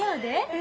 え。